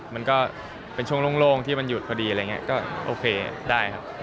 มันก็เป็นช่วงโล่งที่วันหยุดพอดีอะไรอย่างนี้ก็โอเคได้ครับ